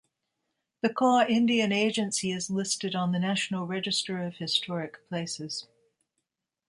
The Kaw Indian Agency is listed on the National Register of Historic Places.